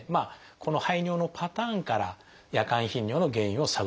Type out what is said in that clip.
この排尿のパターンから夜間頻尿の原因を探ります。